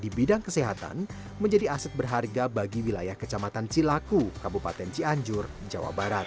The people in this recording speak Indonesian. di bidang kesihatan menjadi aset harga bagi wilayah kejamaatan cie laku kabupaten cianjur jawa barat